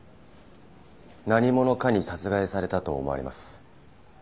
何者かに殺害されたと思われます。